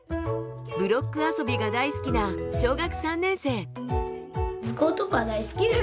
ブロック遊びが大好きな小学３年生。